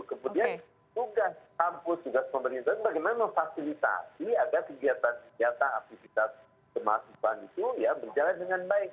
kemudian tugas kampus tugas pemerintah bagaimana memfasilitasi agar kegiatan kegiatan aktivitas kemahasiswaan itu ya berjalan dengan baik